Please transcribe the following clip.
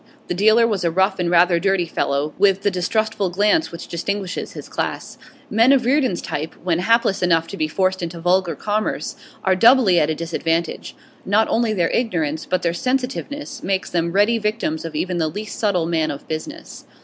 The dealer was a rough and rather dirty fellow, with the distrustful glance which distinguishes his class. Men of Reardon's type, when hapless enough to be forced into vulgar commerce, are doubly at a disadvantage; not only their ignorance, but their sensitiveness, makes them ready victims of even the least subtle man of business.